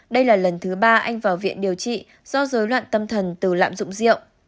đây là lần thứ ba anh vào viện điều trị do dối loạn tâm thần từ lạm dụng rượu